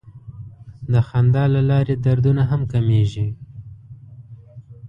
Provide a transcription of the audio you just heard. د خندا له لارې دردونه هم کمېږي.